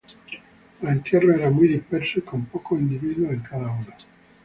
Los entierros eran muy dispersos y con pocos individuos en cada uno